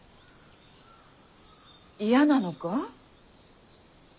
嫌なのか？